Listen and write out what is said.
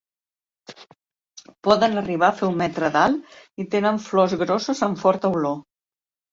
Poden arribar a fer un metre d'alt i tenen flors grosses amb forta olor.